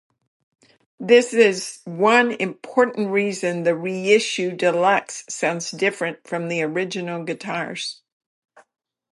This is one important reason the reissue Deluxe sounds different from the original guitars.